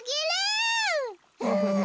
フフフフ。